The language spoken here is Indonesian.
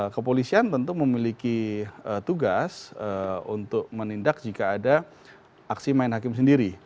kepolisian tentu memiliki tugas untuk menindak jika ada aksi main hakim sendiri